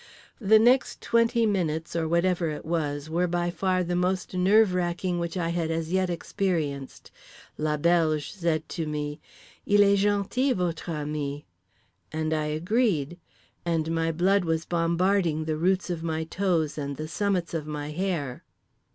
The next twenty minutes, or whatever it was, were by far the most nerve racking which I had as yet experienced. La Belge said to me: "Il est gentil, votre ami," and I agreed. And my blood was bombarding the roots of my toes and the summits of my hair.